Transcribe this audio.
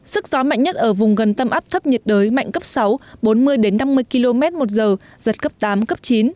sức gió mạnh nhất ở vùng gần tâm áp thấp nhiệt đới mạnh cấp sáu bốn mươi năm mươi km một giờ giật cấp tám cấp chín